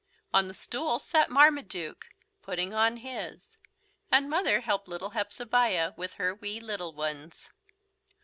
On the stool sat Marmaduke, putting on his, and Mother helped little Hepzebiah with her wee little ones.